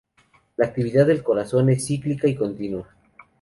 La actividad del corazón es cíclica y continua.